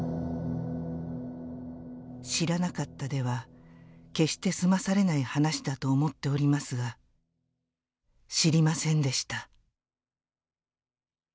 「知らなかったでは決して済まされない話だと思っておりますが知りませんでした。